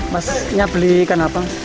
mas beli ikan apa